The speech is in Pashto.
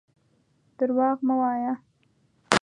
درواغ مه وايه.